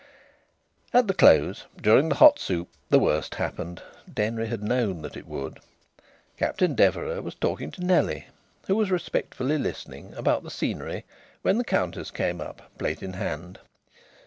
At the close, during the hot soup, the worst happened. Denry had known that it would. Captain Deverax was talking to Nellie, who was respectfully listening, about the scenery, when the Countess came up, plate in hand.